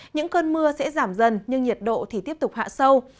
những cơn mưa sẽ giảm dần nhưng nhiệt độ thì tiếp tục hạ sâu